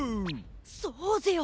そうぜよ。